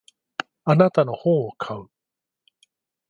あなたの本を買う。